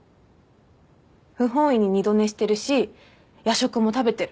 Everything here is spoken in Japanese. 不本意に二度寝してるし夜食も食べてる。